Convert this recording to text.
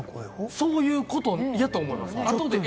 そういうことだと思います。